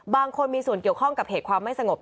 บางคนมีส่วนเกี่ยวข้องกับเหตุความไม่สงบ